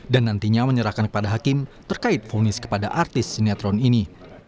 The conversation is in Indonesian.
dan nantinya menyerahkan kepada hakim terkait funis kepada artis sinetron ini